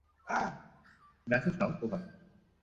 Message দাও, over.